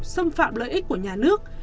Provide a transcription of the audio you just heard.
xâm phạm lợi ích của nhà nước